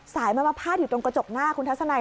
สายมันมาพาดอยู่ตรงกระจกหน้าคุณทัศนัย